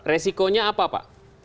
resikonya apa pak